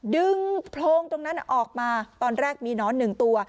โพรงตรงนั้นออกมาตอนแรกมีหนอนหนึ่งตัว